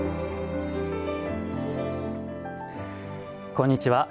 こんにちは。